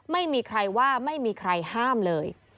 ไม่มีใครว่าไม่มีใครห้ามเลย